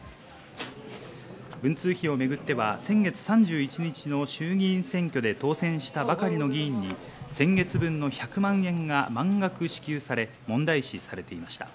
文通費をめぐっては先月３１日の衆議院選挙で当選したばかりの議員に先月分の１００万円が満額支給され問題視されていました。